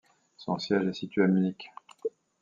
Son siège est situé à Munich.